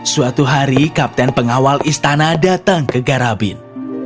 suatu hari kapten pengawal istana datang ke garabin